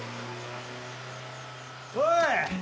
おい！